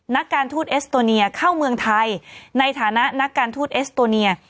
นักการทูตเอสโตเนียเข้าเมืองไทยในฐานะนักการทูตเอสโตเนีย